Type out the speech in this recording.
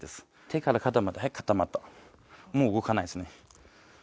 手から肩まで固まったもう動かないですね。